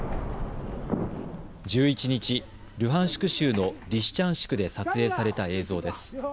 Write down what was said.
１１日、ルハンシク州のリシチャンシクで撮影された映像です。